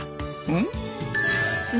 うん？